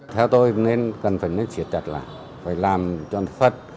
theo tôi nên cần phải nói thiệt chặt là phải làm cho thật